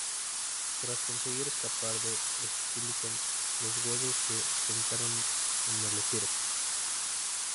Tras conseguir escapar de Estilicón, los godos se asentaron en el Epiro.